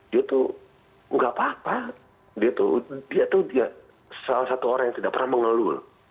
dia tuh gak apa apa dia tuh dia salah satu orang yang tidak pernah mengelul